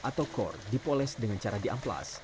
atau core dipoles dengan cara diamplas